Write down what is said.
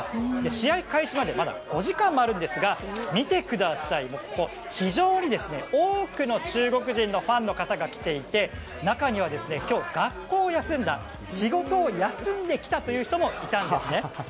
試合開始までまだ５時間もあるんですが見てください、非常に多くの中国人のファンの方が来ていて中には今日学校を休んだ仕事を休んできたという人もいたんですね。